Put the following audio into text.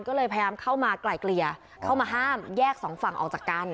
ก็เลยพยายามเข้ามาไกลเกลี่ยเข้ามาห้ามแยกสองฝั่งออกจากกัน